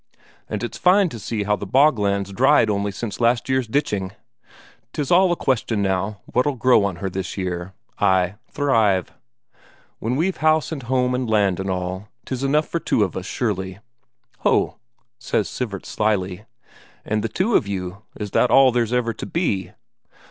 And it's fine to see how the bogland's dried only since last year's ditching 'tis all a question now what'll grow on her this year. Ay, thrive? When we've house and home and land and all 'tis enough for the two of us surely." "Ho," says Sivert slyly, "and the two of you is that all there's ever to be?"